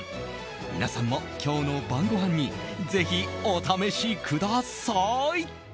皆さんも今日の晩ごはんにぜひお試しください。